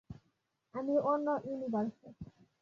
আমি অন্য ইউনিভার্সের।